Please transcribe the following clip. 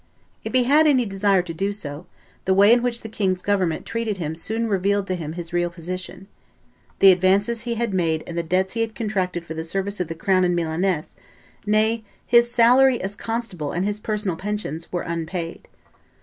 If he had any desire to do so, the way in which the king's government treated him soon revealed to him his real position: the advances he had made and the debts he had contracted for the service of the crown in Milaness, nay, his salary as constable and his personal pensions, were unpaid.